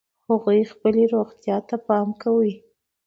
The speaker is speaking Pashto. هغوی خپلې روغتیا ته پام کوي